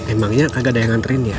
emangnya agak ada yang nganterin ya